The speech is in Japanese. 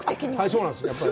そうなんです。